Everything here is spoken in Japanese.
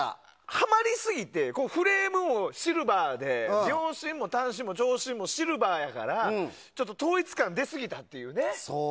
ハマりすぎて、フレームもシルバーで秒針も短針も長針もシルバーだから統一感が出すぎたっていうね。